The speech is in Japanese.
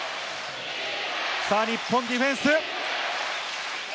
日本ディフェンス。